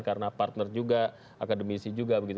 karena partner juga akademisi juga begitu